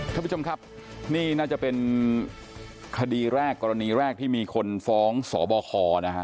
ท่านผู้ชมครับนี่น่าจะเป็นคดีแรกกรณีแรกที่มีคนฟ้องสบคนะฮะ